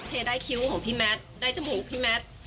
ได้คิ้วของพี่แมทได้จมูกพี่แมท